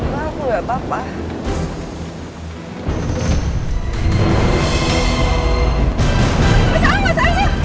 kalau masih demam mau ke dokter